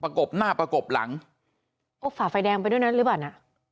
กบหน้าประกบหลังโอ้ฝ่าไฟแดงไปด้วยนั้นหรือเปล่าน่ะ